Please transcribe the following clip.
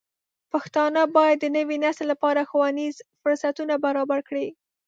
پښتانه بايد د نوي نسل لپاره ښوونیز فرصتونه برابر کړي.